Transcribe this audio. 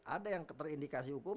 ada yang terindikasi hukum